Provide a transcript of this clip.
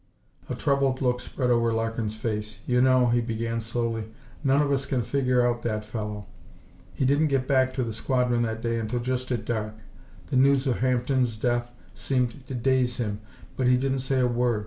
A troubled look spread over Larkin's face. "You know," he began slowly, "none of us can figure out that fellow. He didn't get back to the squadron that day until just at dark. The news of Hampden's death seemed to daze him, but he didn't say a word.